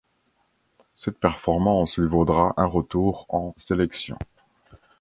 Cette performance lui vaudra un retour en sélection.